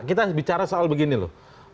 kita bicara soal begini loh